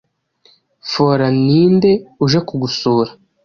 fora ninde uje kugusura